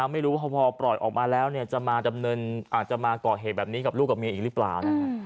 ไม่รู้ว่าพอปล่อยออกมาแล้วจะมาก่อเหตุแบบนี้กับลูกกับเมียอีกหรือเปล่า